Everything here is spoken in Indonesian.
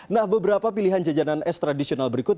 nah beberapa pilihan jajanan es tradisional berikut